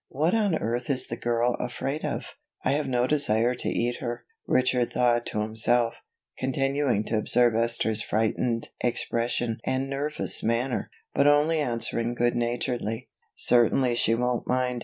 "What on earth is the girl afraid of? I have no desire to eat her," Richard thought to himself, continuing to observe Esther's frightened expression and nervous manner, but only answering good naturedly: "Certainly she won't mind.